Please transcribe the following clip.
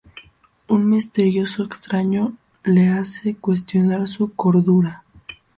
Un "misterioso extraño" le hace cuestionar su cordura.